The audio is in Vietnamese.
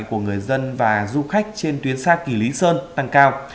của người dân và du khách trên tuyến xa kỳ lý sơn tăng cao